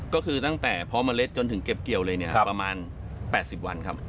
ก็คือตั้งแต่เพาะเมล็ดจนถึงเก็บเกี่ยวเลยเนี่ยประมาณ๘๐วันครับ